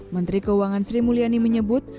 menteri keuangan sri mulyani menyebut